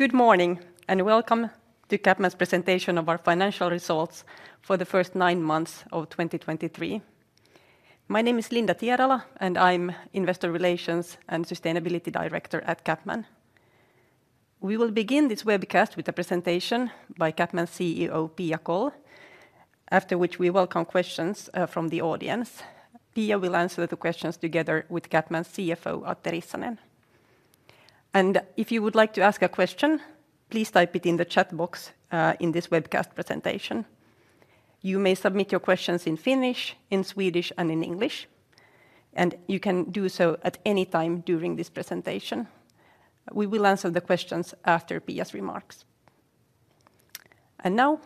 Good morning, and welcome to CapMan's presentation of our financial results for the first nine months of 2023. My name is Linda Tierala, and I'm Investor Relations and Sustainability Director at CapMan. We will begin this webcast with a presentation by CapMan's CEO, Pia Kåll, after which we welcome questions from the audience. Pia Kåll will answer the questions together with CapMan's CFO, Atte Rissanen. And if you would like to ask a question, please type it in the chat box in this webcast presentation. You may submit your questions in Finnish, Swedish, and English, and you can do so at any time during this presentation. We will answer the questions after Pia Kåll's remarks. And now,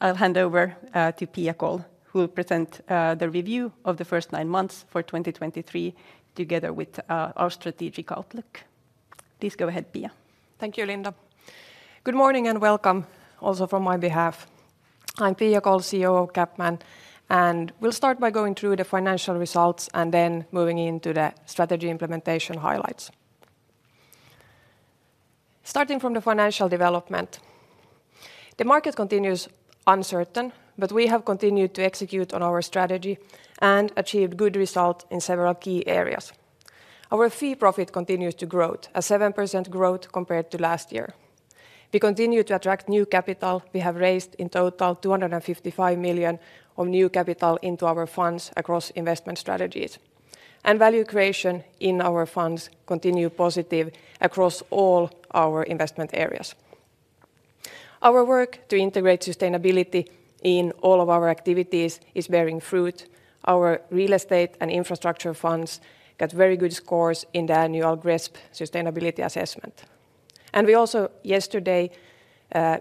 I'll hand over to Pia Kåll, who will present the review of the first nine months for 2023, together with our strategic outlook. Please go ahead, Pia. Thank you, Linda. Good morning, and welcome also from my behalf. I'm Pia Kåll, CEO of CapMan, and we'll start by going through the financial results and then moving into the strategy implementation highlights. Starting from the financial development, the market remains uncertain, but we have continued to execute on our strategy and achieved good results in several key areas. Our fee profit continues to grow, at 7% growth compared to last year. We continue to attract new capital. We have raised, in total, 255 million of new capital into our funds across investment strategies. Value creation in our funds continues to be positive across all our investment areas. Our work to integrate sustainability in all of our activities is bearing fruit. Our real estate and infrastructure funds got very good scores in the annual GRESB sustainability assessment. We also, yesterday,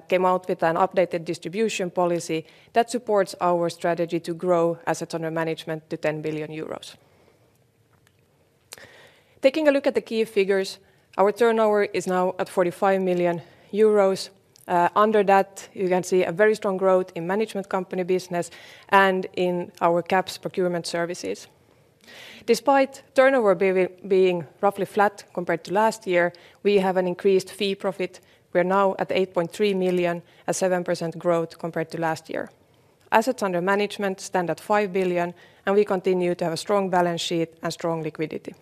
came out with an updated distribution policy that supports our strategy to grow assets under management to 10 billion euros. Taking a look at the key figures, our turnover is now at 45 million euros. Under that, you can see a very strong growth in management company business and in our CapMan Procurement Services. Despite turnover being roughly flat compared to last year, we have an increased fee profit. We're now at 8.3 million, a 7% growth compared to last year. Assets under management stand at 5 billion, and we continue to have a strong balance sheet and strong liquidity.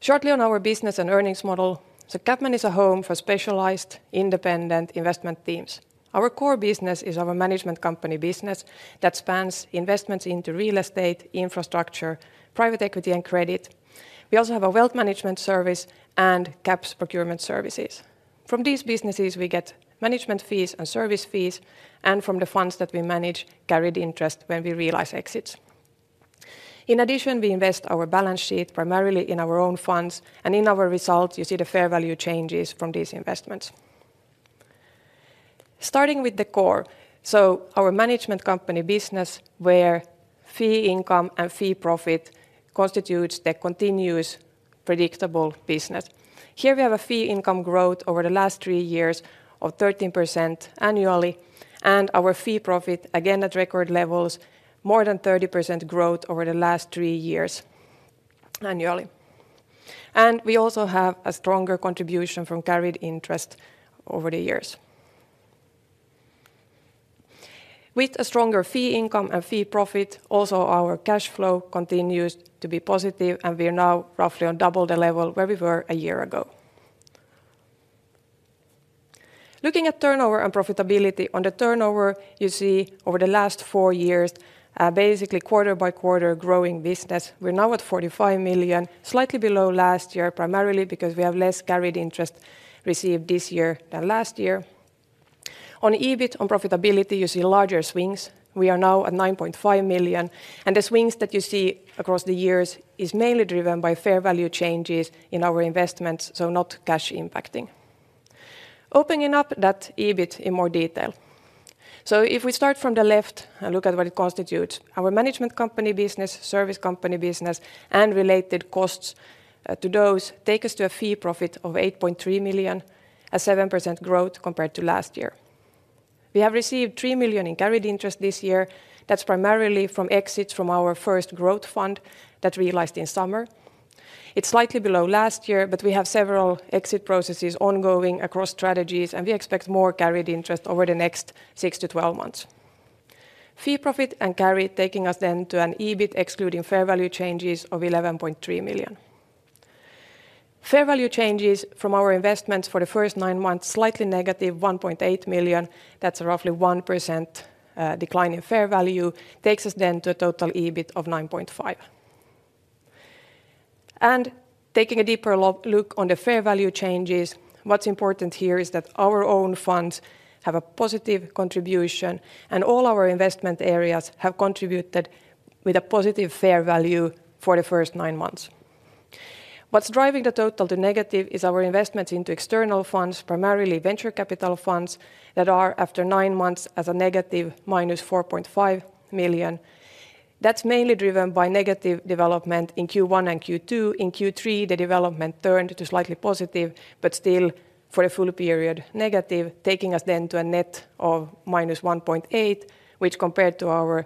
Shortly on our business and earnings model, so CapMan is a home for specialized, independent investment teams. Our core business is our management company business that spans investments into real estate, infrastructure, private equity, and credit. We also have a wealth management service and CapMan Procurement Services. From these businesses, we get management fees and service fees, and from the funds that we manage, carried interest when we realize exits. In addition, we invest our balance sheet primarily in our own funds, and in our results, you see the fair value changes from these investments. Starting with the core, so our management company business, where fee income and fee profit constitute the continuous, predictable business. Here, we have a fee income growth over the last three years of 13% annually, and our fee profit, again, at record levels, more than 30% growth over the last three years annually. We also have a stronger contribution from carried interest over the years. With a stronger fee income and fee profit, also our cash flow continues to be positive, and we are now roughly on double the level where we were a year ago. Looking at turnover and profitability, on the turnover, you see over the last 4 years, basically quarter by quarter growing business. We're now at 45 million, slightly below last year, primarily because we have less carried interest received this year than last year. On EBIT, on profitability, you see larger swings. We are now at 9.5 million, and the swings that you see across the years is mainly driven by fair value changes in our investments, so not cash impacting. Opening up that EBIT in more detail. So if we start from the left and look at what it constitutes, our management company business, service company business, and related costs to those take us to a fee profit of 8.3 million, a 7% growth compared to last year. We have received 3 million in carried interest this year. That's primarily from exits from our first growth fund that realized in summer. It's slightly below last year, but we have several exit processes ongoing across strategies, and we expect more carried interest over the next 6-12 months. Fee profit and carry taking us then to an EBIT excluding fair value changes of 11.3 million. fair value changes from our investments for the first nine months, slightly negative, 1.8 million. That's roughly 1% decline in fair value, takes us then to a total EBIT of 9.5 million. Taking a deeper look on the fair value changes, what's important here is that our own funds have a positive contribution, and all our investment areas have contributed with a positive fair value for the first 9 months. What's driving the total to negative is our investments into external funds, primarily venture capital funds, that are, after 9 months, as a negative -4.5 million. That's mainly driven by negative development in Q1 and Q2. In Q3, the development turned to slightly positive, but still, for the full period, negative, taking us then to a net of -1.8 million, which compared to our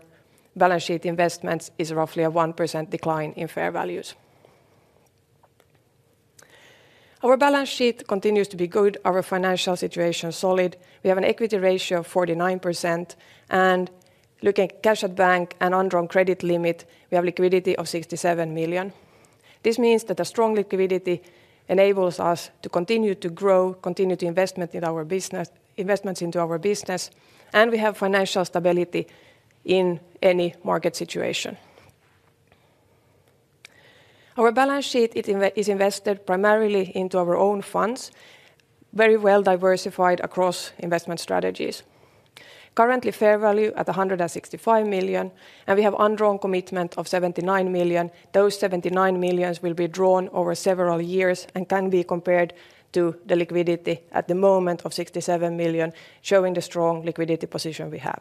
balance sheet investments is roughly a 1% decline in fair values. Our balance sheet continues to be good, our financial situation solid. We have an equity ratio of 49%, and looking at cash at bank and undrawn credit limit, we have liquidity of 67 million. This means that a strong liquidity enables us to continue to grow, continue to investments in our business, and we have financial stability in any market situation. Our balance sheet is invested primarily into our own funds, very well diversified across investment strategies. Currently, fair value at 165 million, and we have undrawn commitment of 79 million. Those 79 millions will be drawn over several years and can be compared to the liquidity at the moment of 67 million, showing the strong liquidity position we have.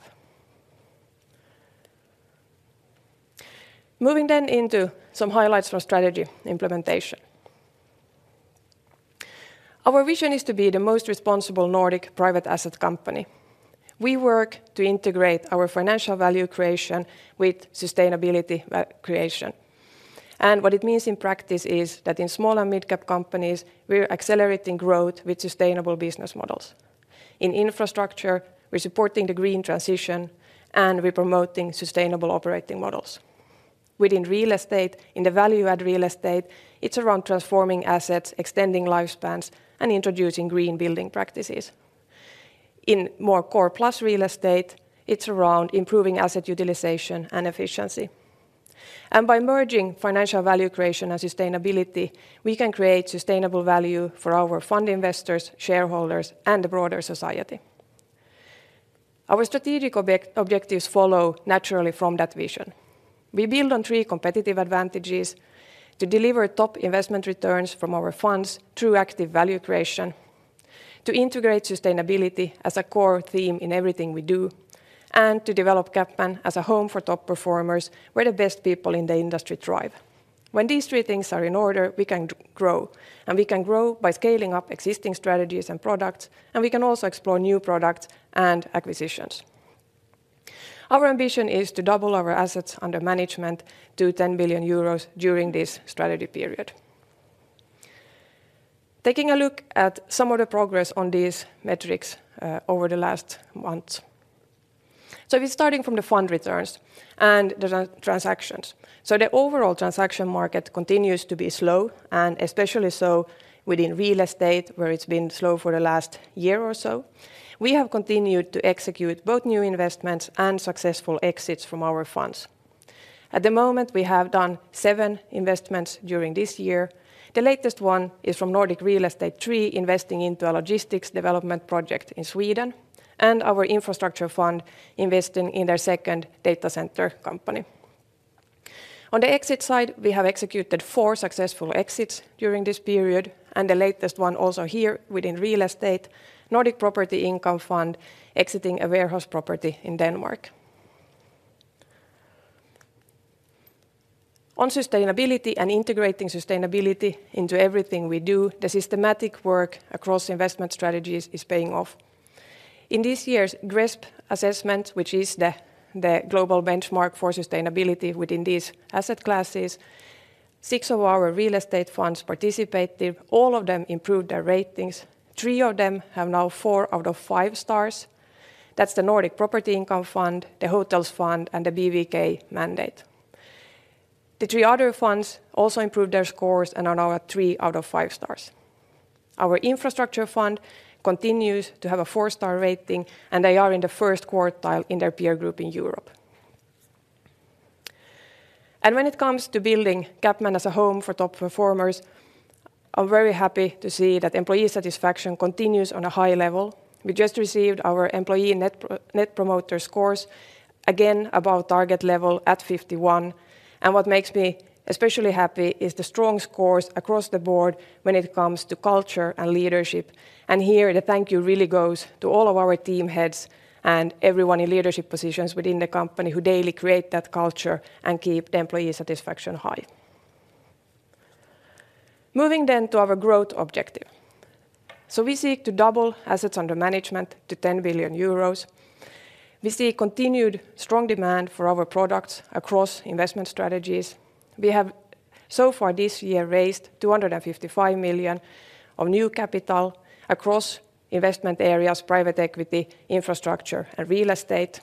Moving into some highlights from strategy implementation. Our vision is to be the most responsible Nordic private asset company. We work to integrate our financial value creation with sustainability creation. What it means in practice is that in small and mid-cap companies, we're accelerating growth with sustainable business models. In infrastructure, we're supporting the green transition, and we're promoting sustainable operating models. Within real estate, in the value-add real estate, it's around transforming assets, extending lifespans, and introducing green building practices. In more core plus real estate, it's around improving asset utilization and efficiency, and by merging financial value creation and sustainability, we can create sustainable value for our fund investors, shareholders, and the broader society. Our strategic objectives follow naturally from that vision. We build on three competitive advantages: to deliver top investment returns from our funds through active value creation, to integrate sustainability as a core theme in everything we do, and to develop CapMan as a home for top performers, where the best people in the industry thrive. When these three things are in order, we can grow, and we can grow by scaling up existing strategies and products, and we can also explore new products and acquisitions. Our ambition is to double our assets under management to 10 billion euros during this strategy period. Taking a look at some of the progress on these metrics over the last months. We're starting from the fund returns and the transactions. The overall transaction market continues to be slow, and especially so within real estate, where it's been slow for the last year or so. We have continued to execute both new investments and successful exits from our funds. At the moment, we have done 7 investments during this year. The latest one is from Nordic Real Estate IV, investing into a logistics development project in Sweden, and our infrastructure fund investing in their second data center company. On the exit side, we have executed 4 successful exits during this period, and the latest one also here within real estate, Nordic Property Income Fund exiting a warehouse property in Denmark. On sustainability and integrating sustainability into everything we do, the systematic work across investment strategies is paying off. In this year's GRESB assessment, which is the global benchmark for sustainability within these asset classes, 6 of our real estate funds participated. All of them improved their ratings. 3 of them have now 4 out of 5 stars. That's the Nordic Property Income Fund, the Hotels Fund, and the BVK mandate. The three other funds also improved their scores and are now at 3 out of 5 stars. Our infrastructure fund continues to have a four-star rating, and they are in the first quartile in their peer group in Europe. When it comes to building CapMan as a home for top performers, I'm very happy to see that employee satisfaction continues at a high level. We just received our employee Net Promoter Scores, again, above target level at 51, and what makes me especially happy is the strong scores across the board when it comes to culture and leadership. Here, the thank you really goes to all of our team heads and everyone in leadership positions within the company who daily create that culture and keep the employee satisfaction high. Moving then to our growth objective. So we seek to double assets under management to 10 billion euros. We see continued strong demand for our products across investment strategies. We have so far this year raised 255 million of new capital across investment areas, private equity, infrastructure, and real estate.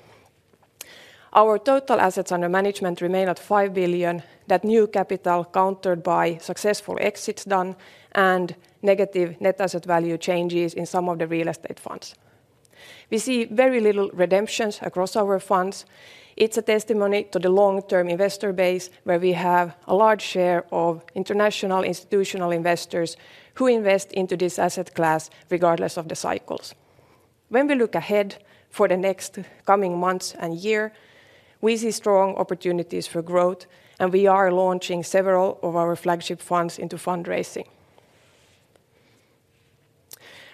Our total assets under management remain at 5 billion. That new capital, countered by successful exits done and negative net asset value changes in some of the real estate funds. We see very little redemptions across our funds. It's a testimony to the long-term investor base, where we have a large share of international institutional investors who invest into this asset class regardless of the cycles. When we look ahead for the next coming months and year, we see strong opportunities for growth, and we are launching several of our flagship funds into fundraising.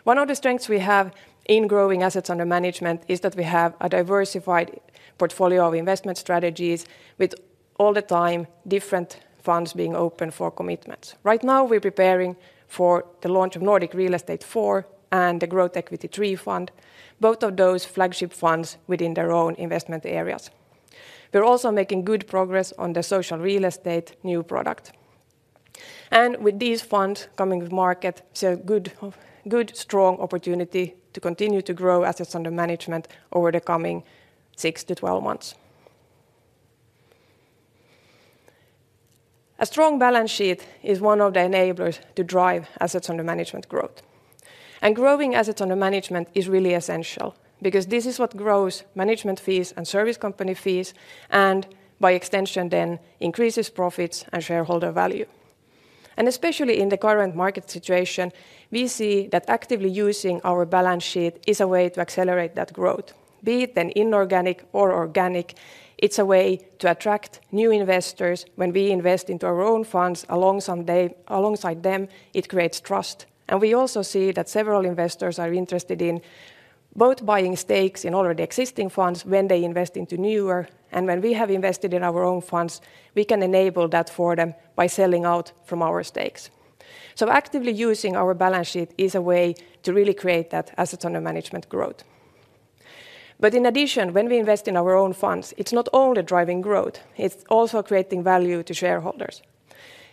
One of the strengths we have in growing assets under management is that we have a diversified portfolio of investment strategies. with all the time, different funds being open for commitments. Right now, we're preparing for the launch of Nordic Real Estate Four and the Growth Equity III fund, both of those flagship funds within their own investment areas. We're also making good progress on the Social Real Estate new product. With these funds coming to market, it's a good, good, strong opportunity to continue to grow assets under management over the coming six to 12 months. A strong balance sheet is one of the enablers to drive assets under management growth. Growing assets under management is really essential because this is what grows management fees and service company fees, and by extension then, increases profits and shareholder value. Especially in the current market situation, we see that actively using our balance sheet is a way to accelerate that growth, be it then inorganic or organic. It's a way to attract new investors when we invest into our own funds alongside them. It creates trust. We also see that several investors are interested in both buying stakes in already existing funds when they invest into newer, and when we have invested in our own funds, we can enable that for them by selling out from our stakes. Actively using our balance sheet is a way to really create that assets under management growth. In addition, when we invest in our own funds, it's not only driving growth, it's also creating value to shareholders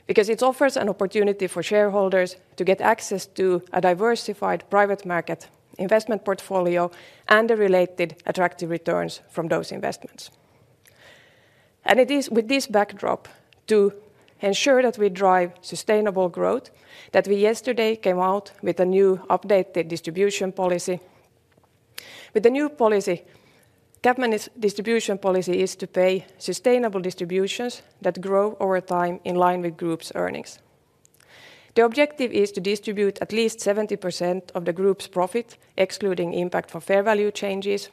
because it offers an opportunity for shareholders to get access to a diversified private market investment portfolio and the related attractive returns from those investments. It is with this backdrop to ensure that we drive sustainable growth, that we yesterday came out with a new updated distribution policy. With the new policy, CapMan's distribution policy is to pay sustainable distributions that grow over time in line with group's earnings. The objective is to distribute at least 70% of the group's profit, excluding impact for fair value changes,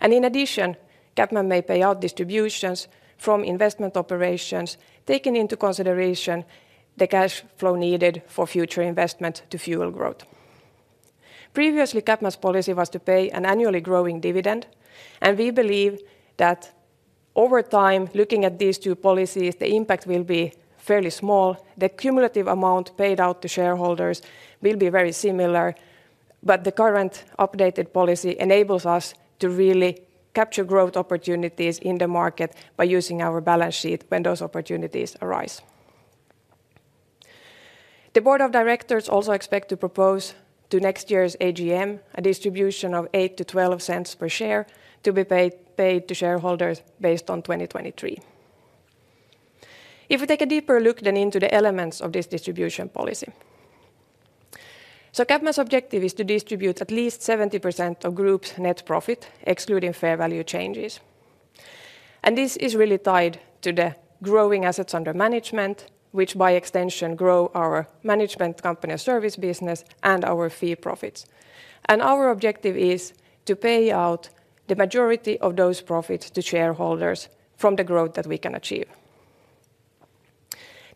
and in addition, CapMan may pay out distributions from investment operations, taking into consideration the cash flow needed for future investment to fuel growth. Previously, CapMan's policy was to pay an annually growing dividend, and we believe that over time, looking at these two policies, the impact will be fairly small. The cumulative amount paid out to shareholders will be very similar, but the current updated policy enables us to really capture growth opportunities in the market by using our balance sheet when those opportunities arise. The board of directors also expect to propose to next year's AGM a distribution of 0.08-0.12 per share to be paid to shareholders based on 2023. If we take a deeper look then into the elements of this distribution policy. CapMan's objective is to distribute at least 70% of group's net profit, excluding fair value changes. This is really tied to the growing assets under management, which by extension, grow our management company and service business and our fee profits. Our objective is to pay out the majority of those profits to shareholders from the growth that we can achieve.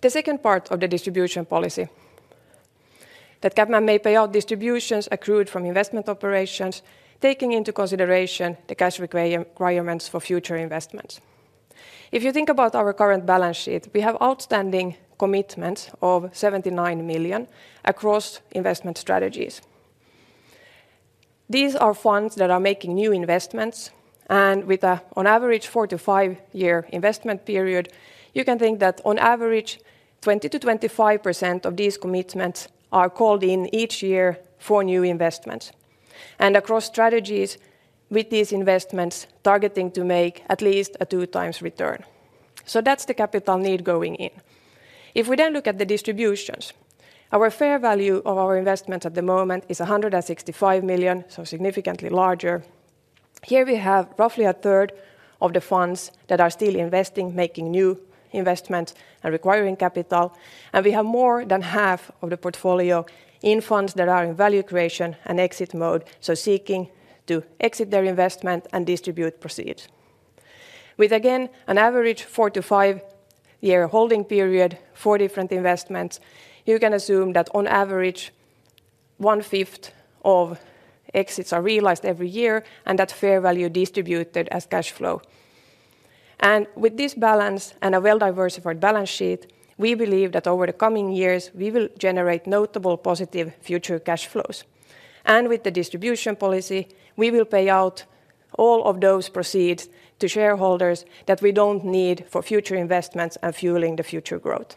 The second part of the distribution policy, that CapMan may pay out distributions accrued from investment operations, taking into consideration the cash requirements for future investments. If you think about our current balance sheet, we have outstanding commitments of 79 million across investment strategies. These are funds that are making new investments, and with a, on average, 4- to 5-year investment period, you can think that on average, 20%-25% of these commitments are called in each year for new investments, and across strategies with these investments, targeting to make at least a 2x return. That's the capital need going in. If we then look at the distributions, our fair value of our investments at the moment is 165 million, so significantly larger. Here we have roughly a third of the funds that are still investing, making new investments, and requiring capital. We have more than half of the portfolio in funds that are in value creation and exit mode, so seeking to exit their investment and distribute proceeds. with, again, an average 4- to 5-year holding period for different investments, you can assume that on average, one-fifth of exits are realized every year, and that fair value distributed as cash flow. And with this balance and a well-diversified balance sheet, we believe that over the coming years, we will generate notable positive future cash flows. With the distribution policy, we will pay out all of those proceeds to shareholders that we don't need for future investments and fueling the future growth.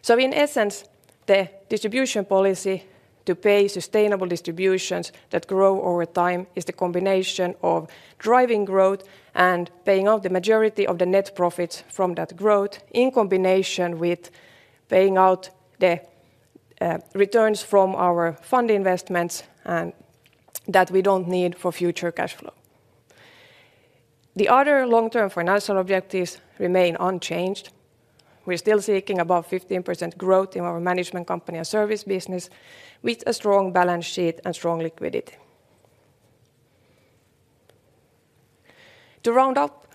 So in essence, the distribution policy to pay sustainable distributions that grow over time is the combination of driving growth and paying out the majority of the net profits from that growth, in combination with paying out the returns from our fund investments and that we don't need for future cash flow. The other long-term financial objectives remain unchanged. We're still seeking above 15% growth in our management company and service business, with a strong balance sheet and strong liquidity. To round up,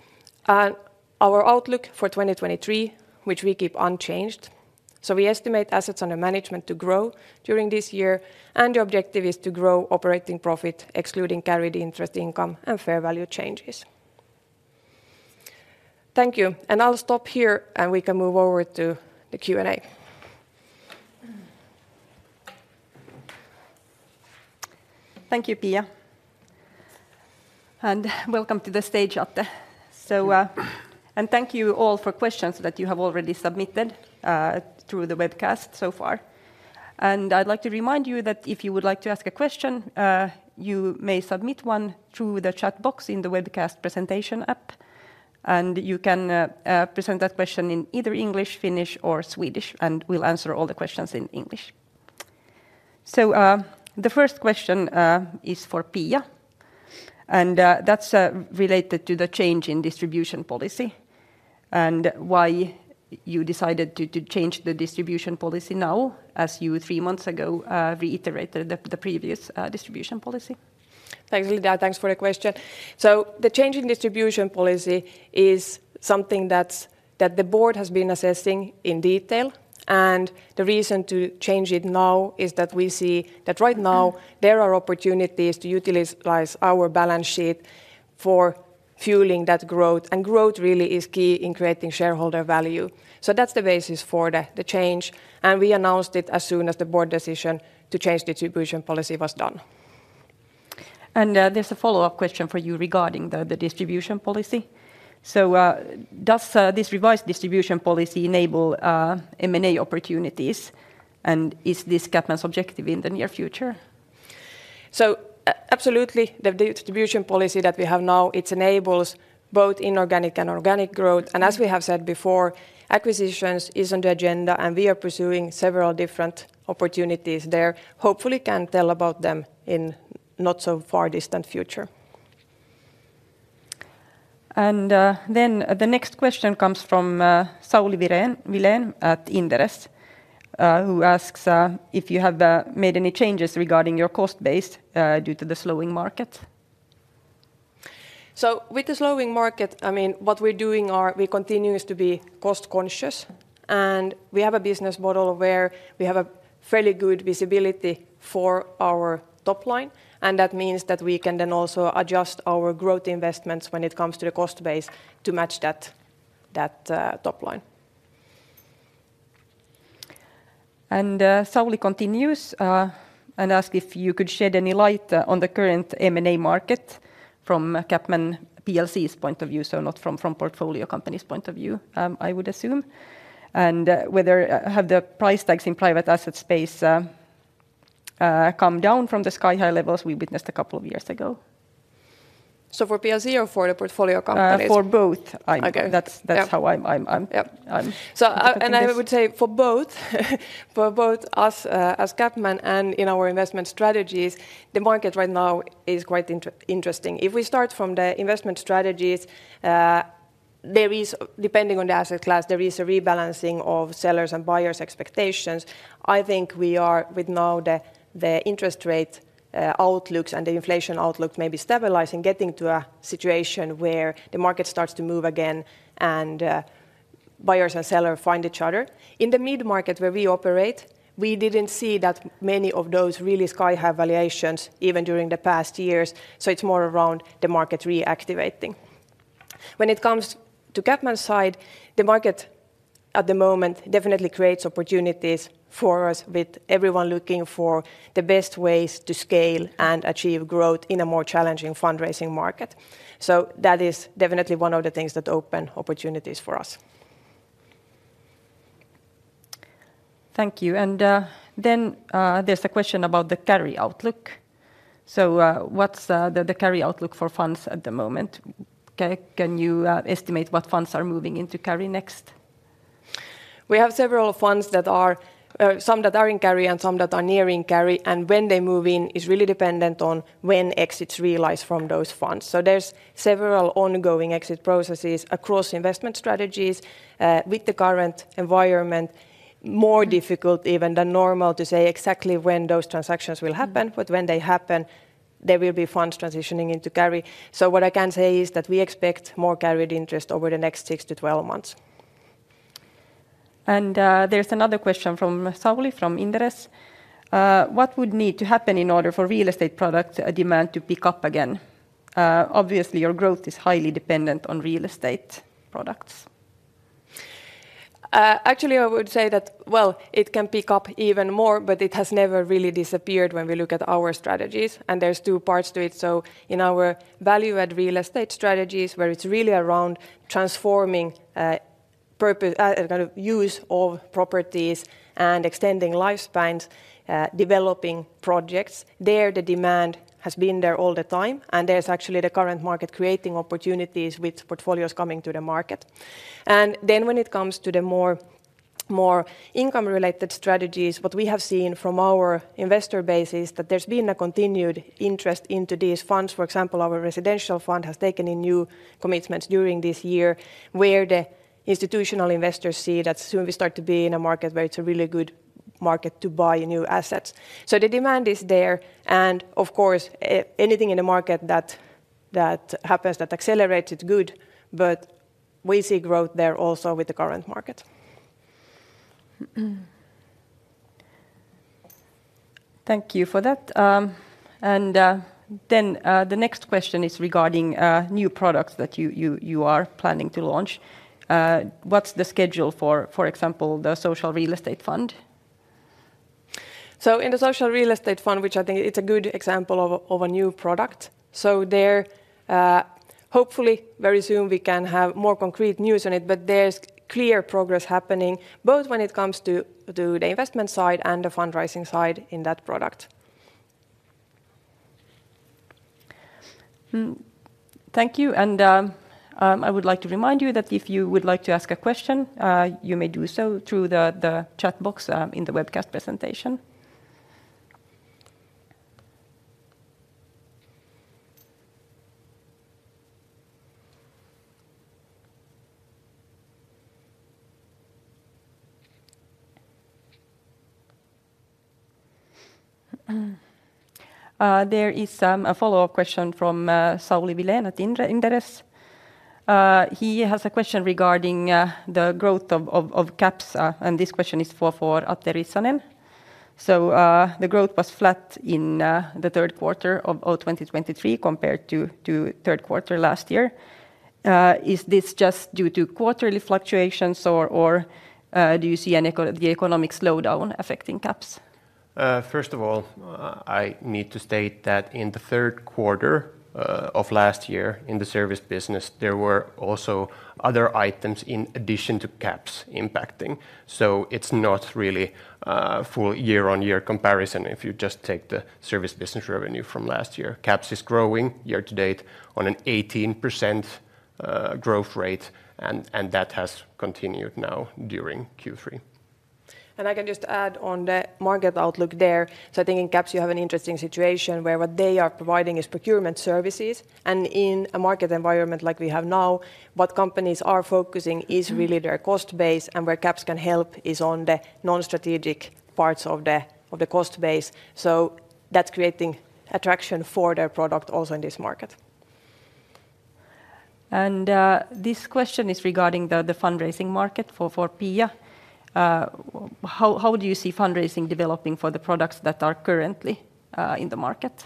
and our outlook for 2023, which we keep unchanged. So we estimate assets under management to grow during this year, and the objective is to grow operating profit, excluding carried interest income and fair value changes. Thank you, and I'll stop here, and we can over to the Q&A. Thank you, Pia. Welcome to the stage, Atte. So, Thank you. Thank you all for questions that you have already submitted through the webcast so far. I'd like to remind you that if you would like to ask a question, you may submit one through the chat box in the webcast presentation app, and you can present that question in either English, Finnish, or Swedish, and we'll answer all the questions in English. The first question is for Pia, and that's related to the change in distribution policy and why you decided to change the distribution policy now, as you three months ago reiterated the previous distribution policy. Thanks, Linda. Thanks for the question. So the change in distribution policy is something that the board has been assessing in detail, and the reason to change it now is that we see that right now there are opportunities to utilize our balance sheet for fueling that growth, and growth really is key in creating shareholder value. So that's the basis for the change, and we announced it as soon as the board decision to change distribution policy was done. There's a follow-up question for you regarding the distribution policy. Does this revised distribution policy enable M&A opportunities, and is this CapMan's objective in the near future? So absolutely, the distribution policy that we have now, it enables both inorganic and organic growth. And as we have said before, acquisitions is on the agenda, and we are pursuing several different opportunities there. Hopefully can tell about them in not so far distant future. Then the next question comes from Sauli Vilén at Inderes, who asks if you have made any changes regarding your cost base due to the slowing market? So with the slowing market, I mean, what we're doing is we continue to be cost conscious, and we have a business model where we have a fairly good visibility for our top line, and that means that we can then also adjust our growth investments when it comes to the cost base to match that top line. Sauli continues and asks if you could shed any light on the current M&A market from CapMan PLC's point of view, so not from portfolio company's point of view, I would assume, and whether have the price tags in private asset space come down from the sky-high levels we witnessed a couple of years ago? So for PLC or for the portfolio companies? For both. Okay. That's- Yeah that's how I'm- Yeah I'm looking at this. So, and I would say for both, for both us, as CapMan and in our investment strategies, the market right now is quite interesting. If we start from the investment strategies, there is, depending on the asset class, there is a rebalancing of sellers' and buyers' expectations. I think we are with now the interest rate outlooks and the inflation outlook may be stabilizing, getting to a situation where the market starts to move again, and buyers and seller find each other. In the mid-market where we operate, we didn't see that many of those really sky-high valuations even during the past years, so it's more around the market reactivating. When it comes to CapMan's side, the market at the moment definitely creates opportunities for us, with everyone looking for the best ways to scale and achieve growth in a more challenging fundraising market. So that is definitely one of the things that open opportunities for us. Thank you. And then, there's a question about the carry outlook. So, what's the carry outlook for funds at the moment? Can you estimate what funds are moving into carry next? We have several funds that are, some that are in carry and some that are nearing carry, and when they move in is really dependent on when exits realize from those funds. So there's several ongoing exit processes across investment strategies. With the current environment, more difficult even than normal to say exactly when those transactions will happen- Mm but when they happen, there will be funds transitioning into carry. So what I can say is that we expect more carried interest over the next 6-12 months. There's another question from Sauli, from Inderes: what would need to happen in order for real estate product, demand to pick up again? Obviously, your growth is highly dependent on real estate products. Actually, I would say that, well, it can pick up even more, but it has never really disappeared when we look at our strategies, and there's two parts to it. So in our value-add real estate strategies, where it's really around transforming purpose, kind of use of properties and extending lifespans, developing projects, there the demand has been there all the time, and there's actually the current market creating opportunities with portfolios coming to the market. And then when it comes to the more, more income-related strategies, what we have seen from our investor base is that there's been a continued interest into these funds. For example, our Residential Fund has taken in new commitments during this year, where the institutional investors see that soon we start to be in a market where it's a really good market to buy new assets. So the demand is there, and of course, anything in the market that happens that accelerates, it's good, but we see growth there also with the current market. Thank you for that. And then, the next question is regarding new products that you are planning to launch. What's the schedule for, for example, the social real estate fund? So in the social real estate fund, which I think it's a good example of a new product, so there, hopefully very soon we can have more concrete news on it. But there's clear progress happening, both when it comes to the investment side and the fundraising side in that product. Hmm. Thank you, and I would like to remind you that if you would like to ask a question, you may do so through the chat box in the webcast presentation. There is a follow-up question from Sauli Vilén at Inderes. He has a question regarding the growth of CaPS, and this question is for Atte Rissanen. So, the growth was flat in the third quarter of 2023 compared to third quarter last year. Is this just due to quarterly fluctuations, or do you see any economic slowdown affecting CaPS? First of all, I need to state that in the third quarter of last year, in the service business, there were also other items in addition to CaPS impacting. So it's not really full year-on-year comparison if you just take the service business revenue from last year. CaPS is growing year to date on an 18% growth rate, and that has continued now during Q3. I can just add on the market outlook there. So I think in CaPS you have an interesting situation where what they are providing is procurement services, and in a market environment like we have now, what companies are focusing is really their cost base, and where CaPS can help is on the non-strategic parts of the cost base. So that's creating attraction for their product also in this market. This question is regarding the fundraising market for Pia. How do you see fundraising developing for the products that are currently in the market?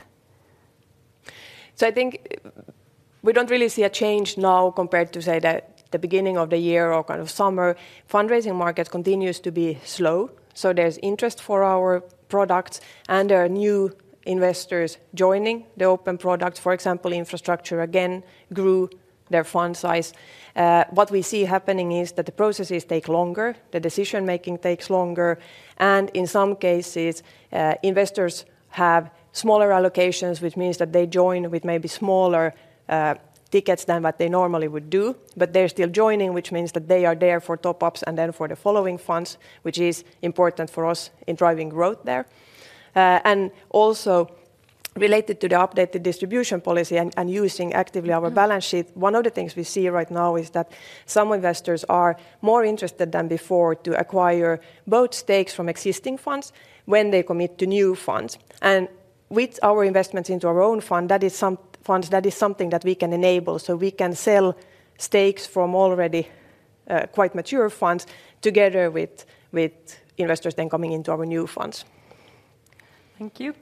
I think we don't really see a change now compared to, say, the beginning of the year or kind of summer. Fundraising market continues to be slow, so there's interest for our products, and there are new investors joining the open products. For example, infrastructure again grew their fund size. What we see happening is that the processes take longer, the decision-making takes longer, and in some cases, investors have smaller allocations, which means that they join with maybe smaller tickets than what they normally would do, but they're still joining, which means that they are there for top-ups and then for the following funds, which is important for us in driving growth there. And also related to the updated distribution policy and using actively our balance sheet, one of the things we see right now is that some investors are more interested than before to acquire both stakes from existing funds when they commit to new funds. And with our investments into our own fund, that is some funds that is something that we can enable, so we can sell stakes from already quite mature funds together with investors then coming into our new funds. Thank you.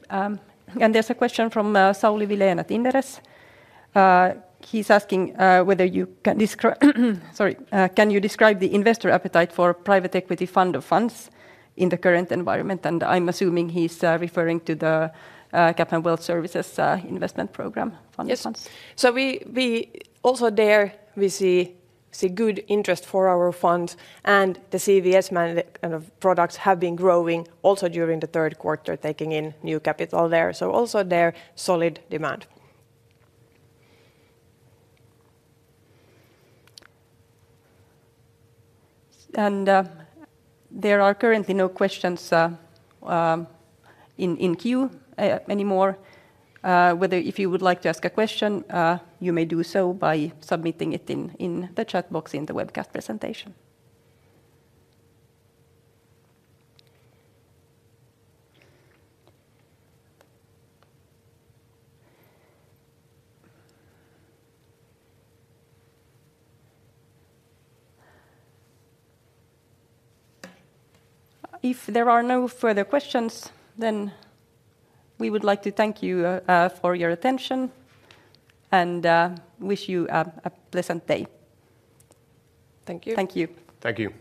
And there's a question from Sauli Vilén at Inderes. He's asking whether you can describe the investor appetite for private equity fund of funds in the current environment? And I'm assuming he's referring to the CapMan Wealth Services investment program fund of funds. Yes. So we also, there we see good interest for our fund, and the CWS, CapMan kind of products have been growing also during the third quarter, taking in new capital there, so also there, solid demand. There are currently no questions in queue anymore. Whether if you would like to ask a question, you may do so by submitting it in the chat box in the webcast presentation. If there are no further questions, then we would like to thank you for your attention and wish you a pleasant day. Thank you. Thank you. Thank you.